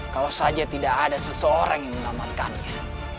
kau saja tidak ada seseorang yang menelamatkannya